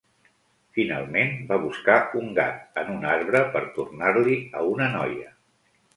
Finalment, va a buscar un gat en un arbre per tornar-li a una noia.